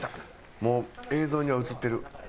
もう映像には映ってる。